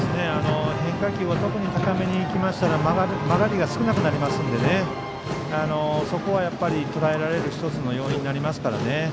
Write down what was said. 変化球は特に高めにいきますと曲がりが少なくなりますのでそこはやっぱりとらえられる１つの要因になりますからね。